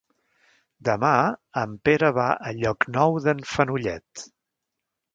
Demà en Pere va a Llocnou d'en Fenollet.